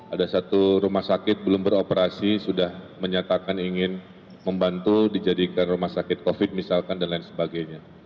ada satu rumah sakit belum beroperasi sudah menyatakan ingin membantu dijadikan rumah sakit covid misalkan dan lain sebagainya